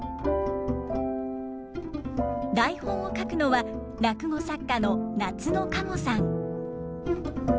台本を書くのは落語作家のナツノカモさん。